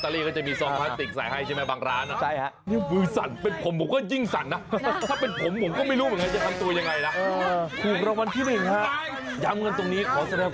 นี่เห็นมั้นจะเอาใส่ซองพลาสติก